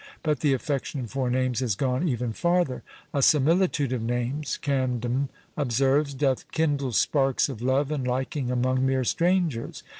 But the affection for names has gone even farther. A similitude of names, Camden observes, "dothe kindle sparkes of love and liking among meere strangers."